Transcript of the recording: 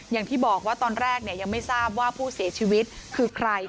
อย่างที่บอกว่าตอนแรกยังไม่ทราบว่าผู้เสียชีวิตคือใคร